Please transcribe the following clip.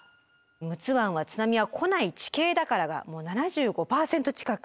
「陸奥湾は津波は来ない地形だから」が７５％近く。